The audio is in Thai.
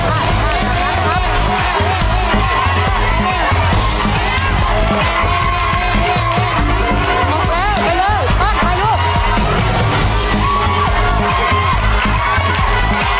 ออกแล้วไปเลย